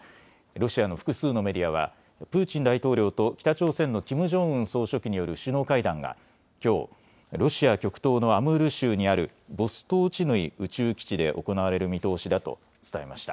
ロシアの複数のメディアはプーチン大統領と北朝鮮のキム・ジョンウン総書記による首脳会談がきょうロシア極東のアムール州にあるボストーチヌイ宇宙基地で行われる見通しだと伝えました。